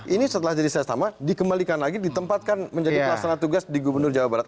ini setelah jadi sesama dikembalikan lagi ditempatkan menjadi pelaksana tugas di gubernur jawa barat